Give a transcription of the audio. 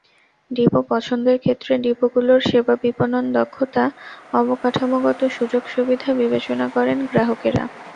Depot পছন্দের ক্ষেত্রে ডিপোগুলোর সেবা, বিপণন দক্ষতা, অবকাঠামোগত সুযোগ-সুবিধা বিবেচনা করেন গ্রাহকেরা।